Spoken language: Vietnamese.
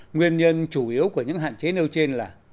nguyên nhân chủ yếu của những hạn chế nêu trên là